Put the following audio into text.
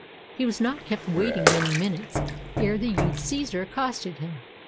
He was not kept waiting many minutes, ere the youth Cæsar accosted him.